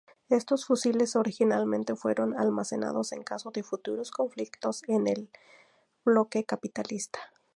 Estos fusiles originalmente fueron almacenados en caso de futuros conflictos con el Bloque capitalista.